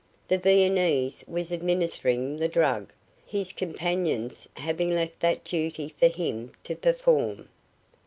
The Viennese was administering the drug, his companions having left that duty for him to perform.